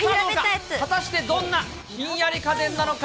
果たしてどんなひんやり家電なのか。